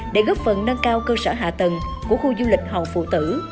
để góp phần nâng cao cơ sở hạ tầng của khu du lịch hòn phụ tử